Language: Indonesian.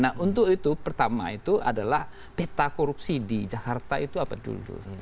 nah untuk itu pertama itu adalah peta korupsi di jakarta itu apa dulu